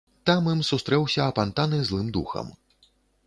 Там ім сустрэўся апантаны злым духам.